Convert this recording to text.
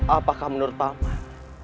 apakah menurut aman